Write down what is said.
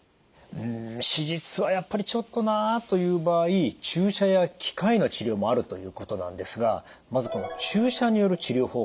うん手術はやっぱりちょっとなあという場合注射や機械の治療もあるということなんですがまずこの注射による治療法